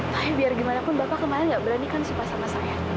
tapi biar gimana pun bapak kemarin gak berani kan suka sama saya